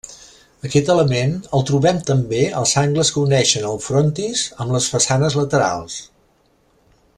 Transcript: Aquest element el trobem també als angles que uneixen el frontis amb les façanes laterals.